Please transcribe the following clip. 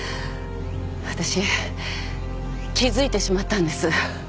私気付いてしまったんです。